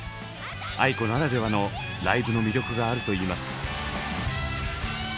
ａｉｋｏならではのライブの魅力があるといいます。